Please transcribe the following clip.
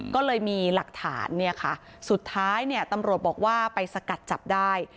ก็เลยมีหลักฐานสุดท้ายตำรวจบอกว่าไปสกัดจับได้